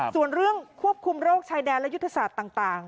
ส่วนเรื่องควบคุมโรคชายแดนและยุทธศาสตร์ต่าง